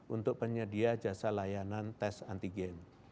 untuk penyedia jasa layanan tes antigen